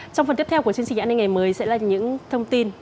trong phần tiếp theo của chương trình ảnh hình ngày mới sẽ là những thông tin